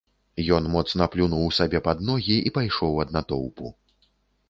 Ён моцна плюнуў сабе над ногі і пайшоў ад натоўпу.